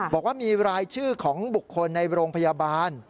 บอกว่ามีรายชื่อของบุคคลในโรงพยาบาล